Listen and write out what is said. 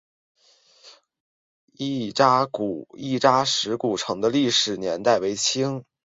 亦扎石古城的历史年代为清。